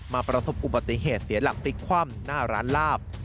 ประสบอุบัติเหตุเสียหลักพลิกคว่ำหน้าร้านลาบ